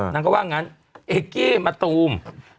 นางก็ว่างั้นเอกกี้มะตูม